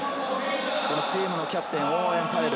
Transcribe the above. チームのキャプテン、オーウェン・ファレル。